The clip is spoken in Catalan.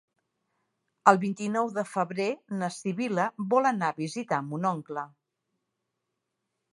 El vint-i-nou de febrer na Sibil·la vol anar a visitar mon oncle.